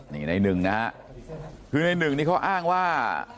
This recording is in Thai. นี่ในหนึ่งนะฮะคือในหนึ่งนี่เขาอ้างว่า